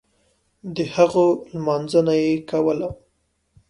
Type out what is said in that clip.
دهغو لمانځنه یې کوله.